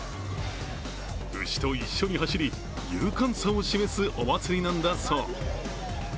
牛と一緒に走り、勇敢さを示すお祭りなんだそう。